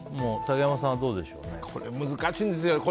これ難しいんですよ。